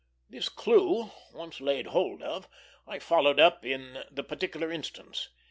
This clew, once laid hold of, I followed up in the particular instance.